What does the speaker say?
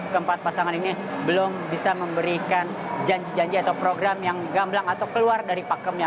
keempat pasangan ini belum bisa memberikan janji janji atau program yang gamblang atau keluar dari pakemnya